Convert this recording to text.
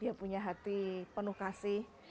dia punya hati penuh kasih